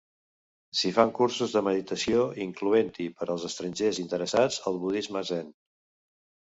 S'hi fan cursos de meditació incloent-hi per als estrangers interessats el budisme zen.